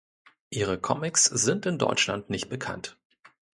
Ihre Comics sind in Deutschland nicht bekannt.